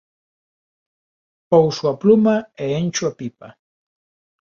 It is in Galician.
Pouso a pluma e encho a pipa.